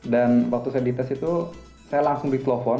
dan waktu saya dites itu saya langsung di telopon